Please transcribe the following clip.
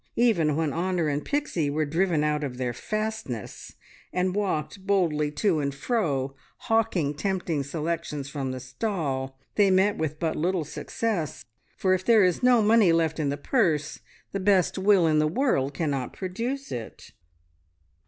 Even when Honor and Pixie were driven out of their fastness, and walked boldly to and fro, hawking tempting selections from the stall, they met with but little success, for if there is no money left in the purse, the best will in the world cannot produce it.